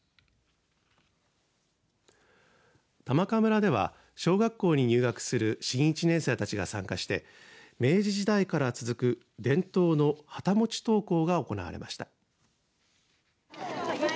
玉川村では小学校に入学する新１年生たちが参加して明治時代から続く伝統の旗持ち登校が行われました。